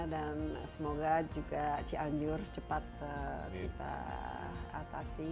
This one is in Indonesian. dan semoga juga ci anjur cepat kita atasi